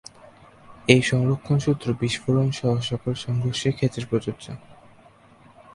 এই সংরক্ষণ সূত্র বিস্ফোরণ সহ সকল সংঘর্ষের ক্ষেত্রে প্রযোজ্য।